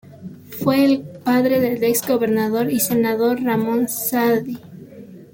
Fue el padre del exgobernador y senador Ramón Saadi.